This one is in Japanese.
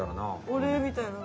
お礼みたいなの。